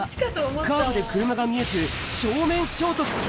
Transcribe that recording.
カーブで車が見えず、正面衝突。